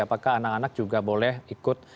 apakah anak anak juga boleh ikut